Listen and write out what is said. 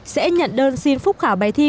sẽ nhận đơn xin phúc khảo bài thi